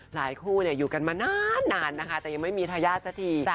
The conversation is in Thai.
หลายคู่อยู่กันมานานนะคะแต่ยังไม่มีทายาทสักที